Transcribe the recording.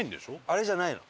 あれじゃないの。